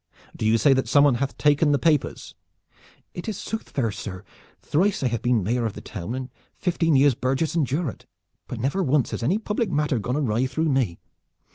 Do you say that some one hath taken the papers?" "It is sooth, fair sir! Thrice I have been Mayor of the town, and fifteen years burgess and jurat, but never once has any public matter gone awry through me.